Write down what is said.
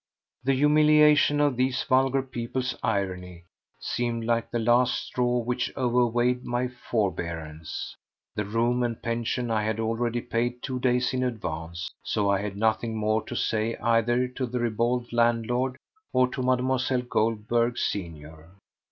The humiliation of these vulgar people's irony seemed like the last straw which overweighed my forbearance. The room and pension I had already paid two days in advance, so I had nothing more to say either to the ribald landlord or to Mlle. Goldberg senior.